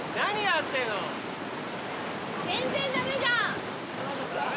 全然駄目じゃん。